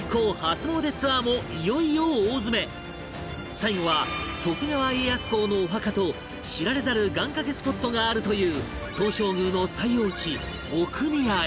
最後は徳川家康公のお墓と知られざる願掛けスポットがあるという東照宮の最奥地奥宮へ